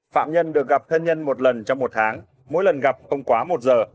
một phạm nhân được gặp thân nhân một lần trong một tháng mỗi lần gặp không quá một giờ